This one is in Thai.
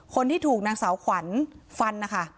คนที่ถูกนางสาวขวัญฟันนะคะ